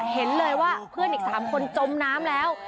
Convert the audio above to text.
เห็นเลยว่าเพื่อนอีก๓คนจมน้ำแล้ว